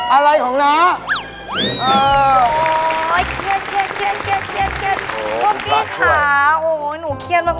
อะไรของน้า